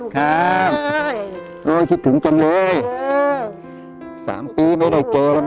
ค่ะคิดถึงจังเลย๓ปีไม่ได้เจอแล้วนะ